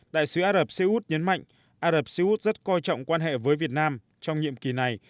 đại sứ ả rập xê út nhấn mạnh ả rập xê út rất coi trọng quan hệ với việt nam trong nhiệm kỳ này